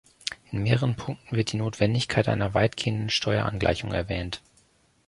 In mehreren Punkten wird die Notwendigkeit einer weitgehenden Steuerangleichung erwähnt.